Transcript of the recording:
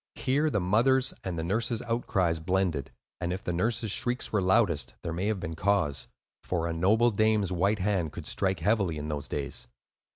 Here the mother's and the nurse's outcries blended; and if the nurse's shrieks were loudest, there may have been cause; for a noble dame's white hand could strike heavily, in those days.